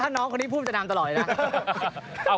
ถ้าน้องคนนี้พูดมานานตลอดเลยนะ